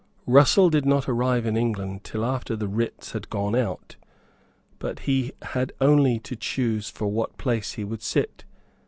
Russell did not arrive in England till after the writs had gone out. But he had only to choose for what place he would sit.